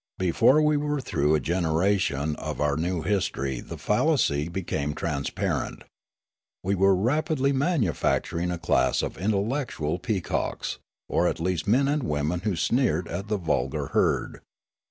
Before we were through a generation of our new history the fallacy became transparent. We were rapidly manufacturing a class of intellectual peacocks, or at least men and women who sneered at the vulgar herd.